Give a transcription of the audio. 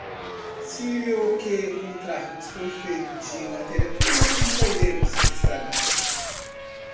Se o que encontrarmos for feito de matéria pura, nunca irá estragar.